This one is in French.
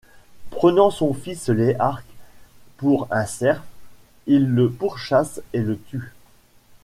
Prenant son fils Léarque pour un cerf, il le pourchasse et le tue.